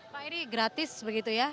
pak ini gratis begitu ya